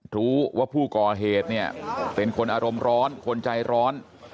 รู้ว่าผู้ก่อเหตุเนี่ยเป็นคนอารมณ์ร้อนคนใจร้อน